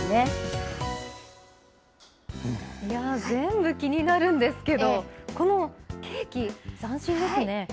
全部気になるんですけれども、このケーキ、斬新ですね。